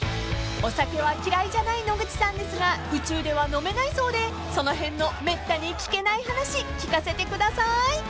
［お酒は嫌いじゃない野口さんですが宇宙では飲めないそうでその辺のめったに聞けない話聞かせてください］